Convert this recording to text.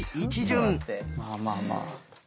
まあまあまあ。